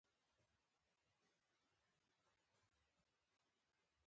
وګړي د افغان تاریخ په ټولو کتابونو کې ذکر شوي دي.